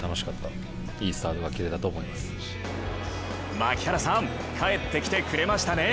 槙原さん、帰ってきてくれましたね。